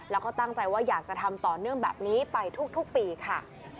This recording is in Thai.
แล้วก็ตั้งใจว่าอยากจะทำต่อเนื่องแบบนี้ไปทุกปีค่ะ